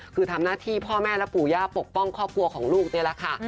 คือทำหน้าที่พ่อแม่และปู่ย่าปกป้องครอบครัวของลูก